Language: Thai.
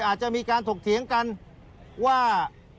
อาจจะมีการถกเถียงกันว่า